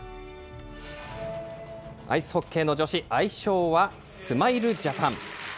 アイスホッケーの女子、愛称はスマイルジャパン。